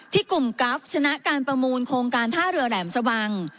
กลุ่มกราฟชนะการประมูลโครงการท่าเรือแหลมสวัง